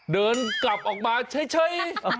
เดินกลับออกมาเฉย